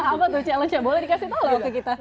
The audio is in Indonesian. apa tuh challenge nya boleh dikasih tau loh ke kita